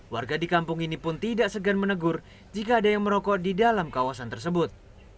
warga di kampung ini pun tidak segan menegur jika ada yang merokok di dalam kawasan tersebut